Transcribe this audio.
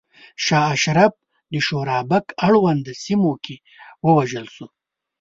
شاه اشرف د شورابک اړونده سیمو کې ووژل شو.